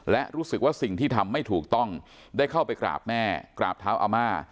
และรู้สึกว่าสิ่งที่ทำไม่ถูกต้องได้เข้าไปกราบแม่กราบเท้าอาม่า